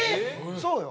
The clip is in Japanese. そうよ。